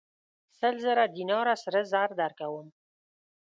سل زره دیناره سره زر درکوم.